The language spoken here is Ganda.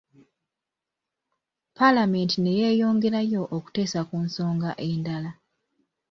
Paalamenti ne yeeyongerayo okuteesa ku nsonga endala.